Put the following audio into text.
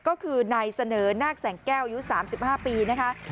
ก็คือนายเสนอนาคแสงแก้วอายุ๓๕ปีนะคะ